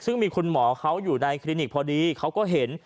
ซึ่งมีคุณหมอเขาอยู่ในคลินิกพอดีเขาก็เห็น